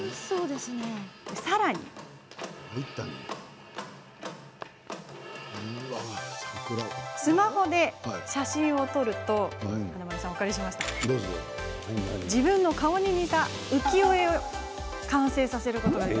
さらに、スマホで写真を撮ると自分の顔に似た浮世絵が完成。